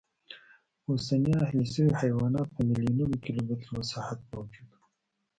اوسني اهلي شوي حیوانات په میلیونونو کیلومترو مساحت موجود و